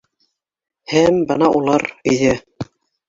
... Һәм бына улар өйҙә.